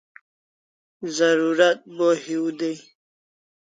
Zarurat bo hiu dai